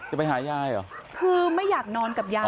จะไปหายายเหรอคือไม่อยากนอนกับยาย